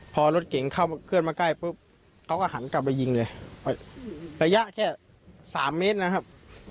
พอรถเก่งเข้าเคลื่อนมาใกล้ปุ๊บเขาก็หันกลับไปยิงเลยระยะแค่๓เมตรนะครับ